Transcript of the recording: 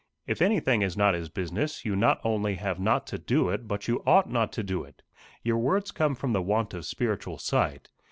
If anything is not his business, you not only have not to do it, but you ought not to do it. Your words come from the want of spiritual sight.